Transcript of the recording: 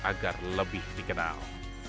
agar lebih dikenal